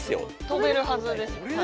飛べるはずです。